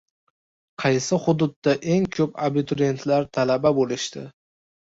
Qaysi hududda eng ko‘p abituriyentlar talaba bo‘lishdi?